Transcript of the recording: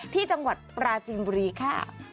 ที่จังหวัดปราจีนบุรีค่ะ